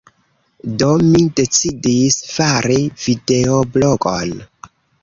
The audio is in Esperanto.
Do mi decidis fari videoblogon.